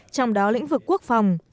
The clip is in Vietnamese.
trong đó lĩnh vực quốc phòng